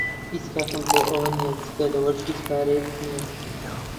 هیچ کاتم بۆ ئەوە نییە، جگە لەوەش، هیچ پارەم نییە.